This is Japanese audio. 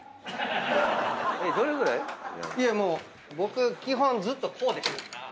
いやもう僕基本ずっとこうでした。